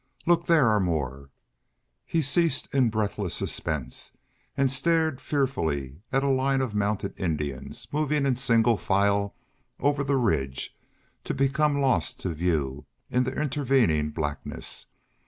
Look! there are more." He ceased in breathless suspense and stared fearfully at a line of mounted Indians moving in single file over the ridge to become lost to view in the intervening blackness.